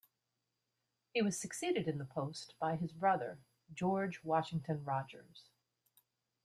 He was succeeded in the post by his brother George Washington Rodgers.